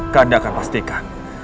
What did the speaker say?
kakanda akan pastikan